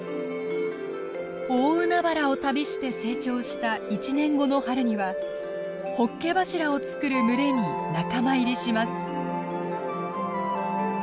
大海原を旅して成長した１年後の春にはホッケ柱を作る群れに仲間入りします。